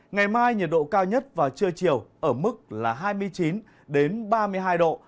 ngày mai nhiệt độ cao nhất vào trưa chiều ở mức là hai mươi chín ba mươi hai độ